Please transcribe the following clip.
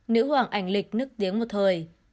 nữ hoàng ảnh lịch nức tiếng một thời